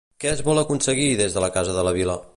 Què es vol aconseguir des de la casa de la vila?